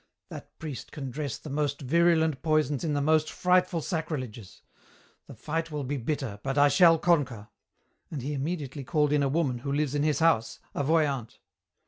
'That priest can dress the most virulent poisons in the most frightful sacrileges. The fight will be bitter, but I shall conquer,' and he immediately called in a woman who lives in his house, a voyant.